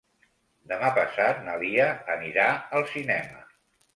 Demà passat na Lia anirà al cinema.